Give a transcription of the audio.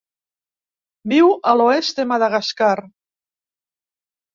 Viu a l'oest de Madagascar.